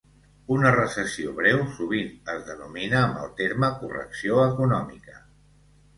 Una recessió breu sovint es denomina amb el terme correcció econòmica.